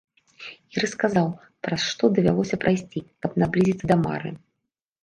І расказаў, праз што давялося прайсці, каб наблізіцца да мары.